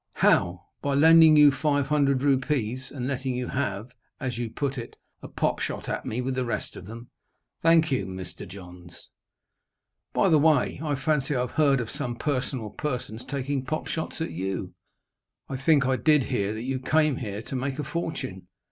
"How? By lending you five hundred rupees, and letting you have, as you put it, a pop shot at me with the rest of them. Thank you, Mr. Johns. By the way, I fancy I have heard of some person or persons taking pop shots at you. I think I did hear that you came here to make a fortune.